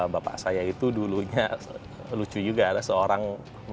bapak saya itu dulunya lucu juga adalah seorang preman